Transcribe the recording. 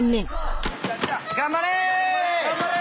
頑張れ！